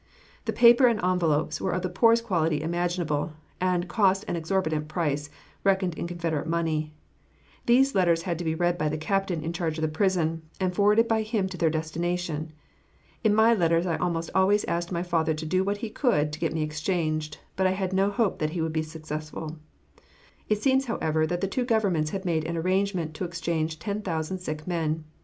The paper and envelopes were of the poorest quality imaginable, and cost an exorbitant price, reckoned in Confederate money. These letters had to be read by the captain in charge of the prison, and forwarded by him to their destination. In my letters I almost always asked my father to do what he could to get me exchanged, but I had no hope that he would be successful. It seems, however, that the two governments had made an arrangement to exchange ten thousand sick men.